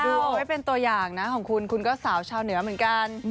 ดูไว้เป็นตัวอย่างนะของคุณคุณก็สาวชาวเหนือเหมือนกัน